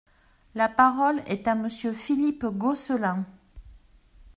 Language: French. La parole est à Monsieur Philippe Gosselin.